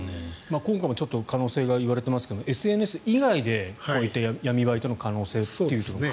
今回も可能性が言われていますがＳＮＳ以外でこういった闇バイトの可能性というのも。